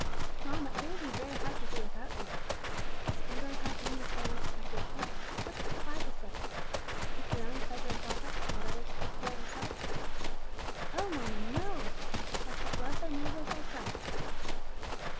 "Mamma, it will be very hard to do without you." "And very hard for me to stay away from my dear children; but what does the Bible say? Seek your own pleasure and profit, and let others take care of themselves?" "Oh, mamma, no! 'Thou shalt love thy neighbor as thyself.'"